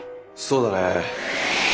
そうだね。